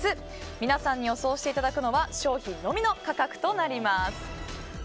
皆さんに予想していただくのは商品のみの価格となります。